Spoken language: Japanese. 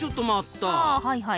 あはいはい。